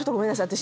私。